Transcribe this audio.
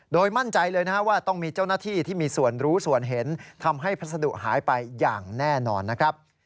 โดยมั่นใจเลยนะครับว่าต้องมีเจ้าหน้าที่ที่มีส่วนรู้ส่วนเห็นทำให้พัสดุหายไปอย่างแน่นอนนะครับ